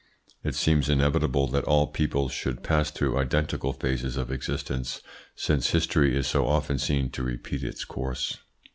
It seems inevitable that all peoples should pass through identical phases of existence, since history is so often seen to repeat its course.